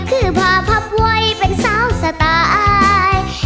คือผาพับไว้เป็นเซาสไตล์